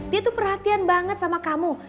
dia tuh perhatian banget sama kamu